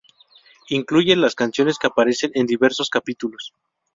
Incluye las canciones que aparecen en diversos capítulos.